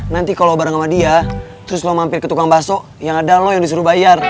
nanti kalo lo bareng sama dia terus lo mampir ke tukang bakso ya ngga dal lo yang disuruh bayar